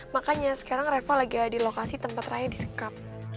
makanya sekarang reva lagi di lokasi tempat raya disekap